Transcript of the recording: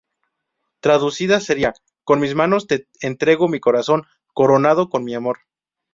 Traducida sería "Con mis manos te entrego mi corazón, coronado con mi amor".